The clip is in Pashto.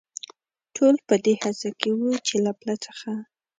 ټول په دې هڅه کې و، چې له پله څخه.